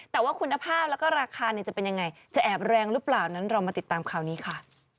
แต่ว่าคุณภาพแล้วก็ราคาจะเป็นยังไงจะแอบแรงหรือเปล่านั้นเรามาติดตามข่าวนี้ค่ะ